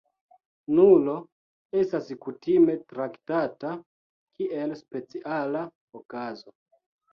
Nulo estas kutime traktata kiel speciala okazo.